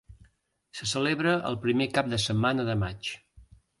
Se celebra el primer cap de setmana de maig.